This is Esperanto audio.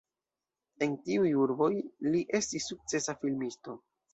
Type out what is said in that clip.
En tiuj urboj li estis sukcesa filmisto.